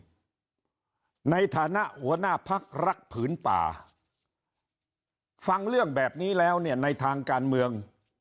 ในฐานะหัวหน้าพักรักผืนป่าฟังเรื่องแบบนี้แล้วเนี่ยในทางการเมือง